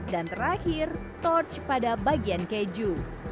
dan terakhir torch pada bagian keju